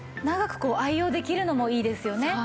長く愛用できるのもいいですよね。